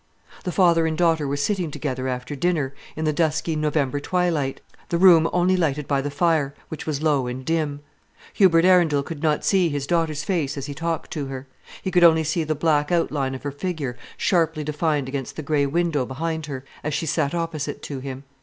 The father and daughter were sitting together after dinner in the dusky November twilight, the room only lighted by the fire, which was low and dim. Hubert Arundel could not see his daughter's face as he talked to her; he could only see the black outline of her figure sharply defined against the grey window behind her, as she sat opposite to him.